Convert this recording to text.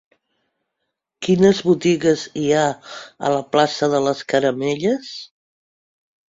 Quines botigues hi ha a la plaça de les Caramelles?